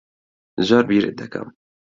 زۆر بیرت دەکەم.